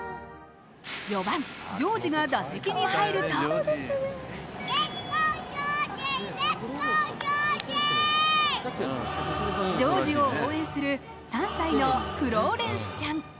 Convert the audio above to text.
４番・ジョージが打席に入るとジョージを応援する３歳のフローレンスちゃん。